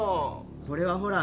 これはほら